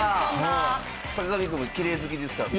坂上くんもきれい好きですから。